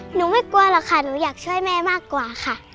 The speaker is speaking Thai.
ไม่กลัวหรอกค่ะหนูอยากช่วยแม่มากกว่าค่ะ